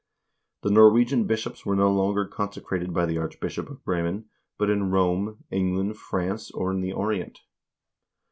The Norwegian bishops were no longer consecrated by the Archbishop of Bremen,1 but in Rome, England, France, or in the Orient.